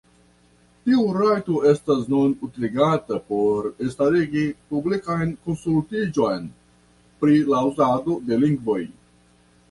Tiu rajto estas nun utiligata por starigi publikan konsultiĝon pri la uzado de lingvoj.